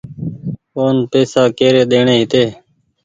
اون پئيسا ڪيري ڏيڻي هيتي۔